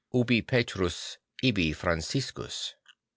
Ubi Petrus ibi F ranciscus.